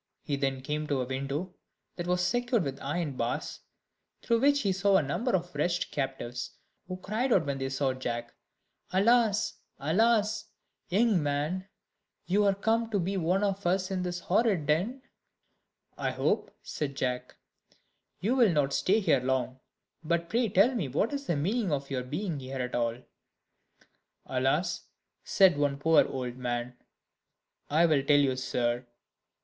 He then came to a window that was secured with iron bars, through which he saw a number of wretched captives, who cried out when they saw Jack: "Alas! alas! young man, you are come to be one among us in this horrid den." "I hope," said Jack, "you will not stay here long: but pray tell me what is the meaning of your being here at all?" "Alas!" said one poor old man, "I will tell you, sir.